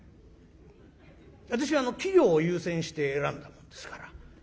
私は器量を優先して選んだもんですから。